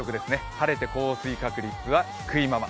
晴れて降水確率は低いまま。